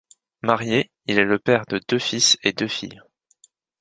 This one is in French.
Marié, il est le père de deux fils et deux filles.